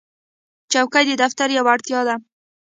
چوکۍ د دفتر یوه اړتیا ده.